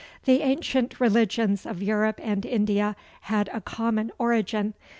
The ancient religions of Europe and India had a common origin.